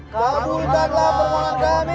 kaburkanlah permohonan kami